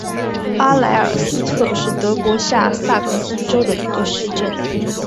阿莱尔斯特是德国下萨克森州的一个市镇。